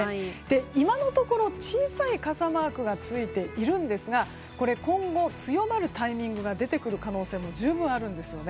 今のところ小さい傘マークがついているんですが今後、強まるタイミングが出てくる可能性も十分あるんですよね。